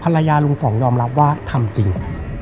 ลุงสองยอมรับว่าทำจริง